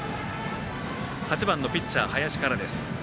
８番のピッチャー、林からです。